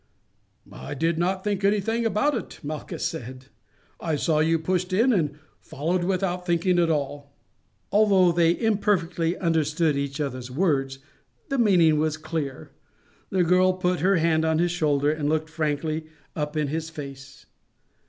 "I did not think anything about it," Malchus said; "I saw you pushed in and followed without thinking at all." Although they imperfectly understood each other's words the meaning was clear; the girl put her hand on his shoulder and looked frankly up in his face.